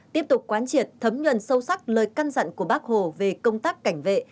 tiếp tục quán triệt thấm nhuận sâu sắc lời căn dặn của bác hồ về công tác cảnh vệ